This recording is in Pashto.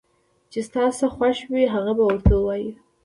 چې ستا څه خوښ وي هغه به ورته ووايو